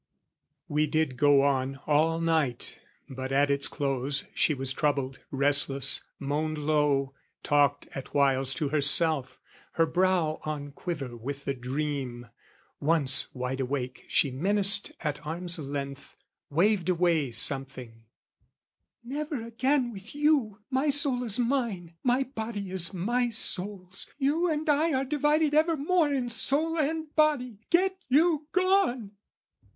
We did go on all night; but at its close She was troubled, restless, moaned low, talked at whiles To herself, her brow on quiver with the dream: Once, wide awake, she menaced, at arms' length Waved away something "Never again with you! "My soul is mine, my body is my soul's: "You and I are divided ever more "In soul and body: get you gone!"